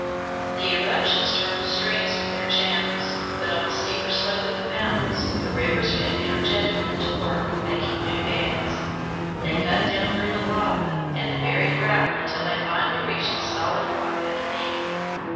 The eruptions turned the streams from their channels, but on the steeper slope of the mountains the rivers went energetically to work making new beds. They cut down through the lava and the buried gravel until they finally reached the solid rock underneath.